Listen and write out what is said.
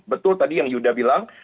betul tadi yang yuda bilang